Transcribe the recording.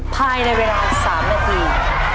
ภายในเวลา๓นาที